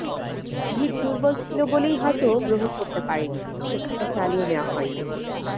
ভিত দুর্বল ছিল বলেই হয়তো গ্রহণ করতে পারিনি, শেখাটা চালিয়ে নেওয়া হয়নি।